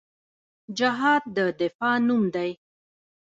جهاد د دفاع نوم دی